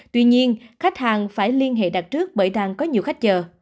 tuy nhiên khách hàng phải liên hệ đặt trước bởi đang có nhiều khách chờ